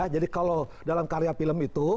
jadi kalau dalam karya film itu